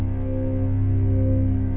biar kamu gak takut